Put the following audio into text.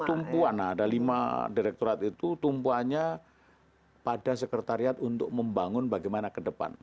tumpuan ada lima direkturat itu tumpuannya pada sekretariat untuk membangun bagaimana ke depan